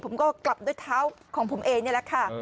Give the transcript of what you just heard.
ผมก็กลับด้วยเท้าของผมเองนี่แหละค่ะ